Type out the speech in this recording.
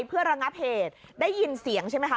เพื่อระงับเหตุได้ยินเสียงใช่ไหมคะ